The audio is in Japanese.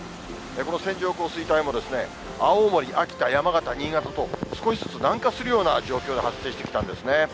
この線状降水帯も青森、秋田、山形、新潟と、少しずつ南下するような状況で発生してきたんですね。